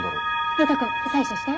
呂太くん採取して。